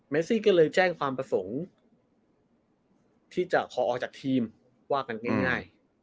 ซี่ก็เลยแจ้งความประสงค์ที่จะขอออกจากทีมว่ากันง่าย